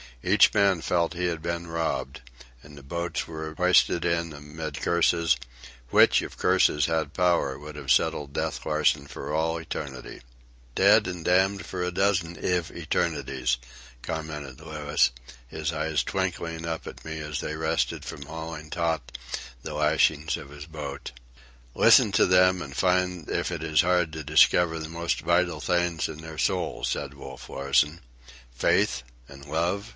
Each man felt that he had been robbed; and the boats were hoisted in amid curses, which, if curses had power, would have settled Death Larsen for all eternity—"Dead and damned for a dozen iv eternities," commented Louis, his eyes twinkling up at me as he rested from hauling taut the lashings of his boat. "Listen to them, and find if it is hard to discover the most vital thing in their souls," said Wolf Larsen. "Faith? and love?